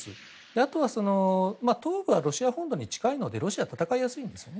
あとは、東部はロシア本土に近いのでロシアは戦いやすいんですよね。